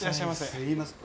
すいません。